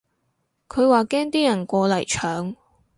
佢話驚啲人過嚟搶